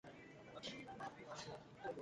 Marinescu was born in Bucharest.